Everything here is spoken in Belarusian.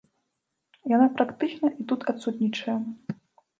Яна практычна і тут адсутнічае.